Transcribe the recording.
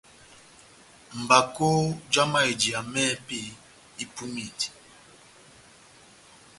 Mbakó já mayɛjiya mɛ́hɛ́pi ipumindi.